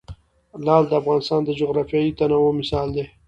لعل د افغانستان د جغرافیوي تنوع مثال دی.